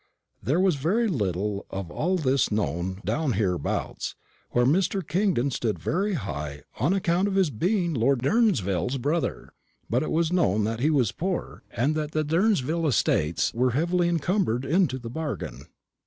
There was very little of all this known down hereabouts, where Mr. Kingdon stood very high, on account of his being Lord Durnsville's brother. But it was known that he was poor, and that the Durnsville estates were heavily encumbered into the bargain."